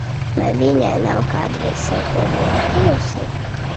Vai viņa nav kādreiz sev ko nodarījusi?